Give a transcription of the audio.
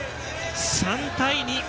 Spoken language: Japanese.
３対２。